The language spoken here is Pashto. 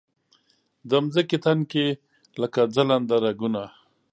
د مځکې تن کې لکه ځلنده رګونه